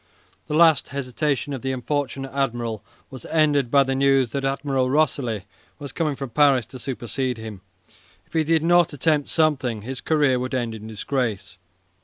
The last hesitation of the unfortunate admiral was ended by the news that Admiral Rosilly was coming from Paris to supersede him. If he did not attempt something, his career would end in disgrace.